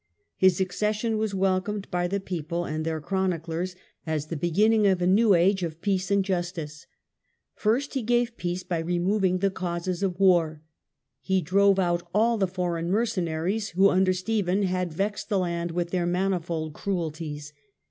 His accession was welcomed by the people and their chroniclers as the beginning of (M78) B Caantrft* t^MMAt fo henry's early reforms. 19 a new age of peace and justice. First, he gave peace by removing the causes of war. He drove out all the foreign mercenaries who under Stephen had vexed the land with their manifold cruelties.